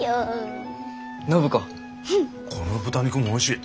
この豚肉もおいしい。